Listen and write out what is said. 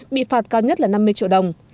bị phạt cao nhất là năm mươi triệu đồng